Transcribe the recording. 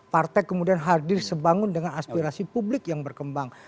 partai kemudian hadir sebangun dengan aspirasi publik yang berkembang